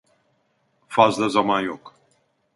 Fazla zaman yok.